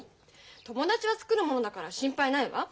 友達はつくるものだから心配ないわ。